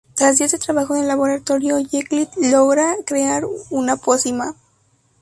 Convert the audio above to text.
Tras días de trabajo en el laboratorio, Jekyll logra crear una pócima.